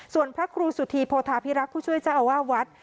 ส่วนพระครูสุธีโพธาพิรักษ์ผู้ช่วยเจ้าอาวาสวัด